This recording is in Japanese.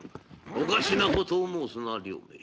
おかしなことを申すな両名。